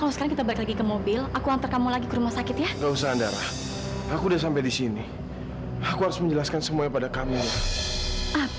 sampai jumpa di video selanjutnya